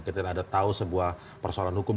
kita tahu sebuah persoalan hukum